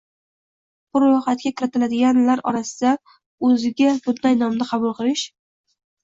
bu ro‘yxatga kiritiladiganlar orasida o‘ziga bunday nomni qabul qilish